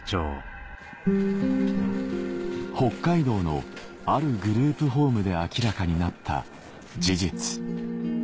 北海道のあるグループホームで明らかになった事実